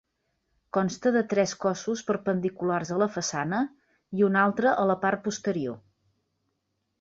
Consta de tres cossos perpendiculars a la façana i un altre a la part posterior.